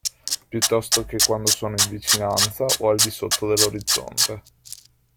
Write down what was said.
Piuttosto che quando sono in vicinanza o al di sotto dell'orizzonte.